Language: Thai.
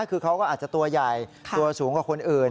คือเขาก็อาจจะตัวใหญ่ตัวสูงกว่าคนอื่น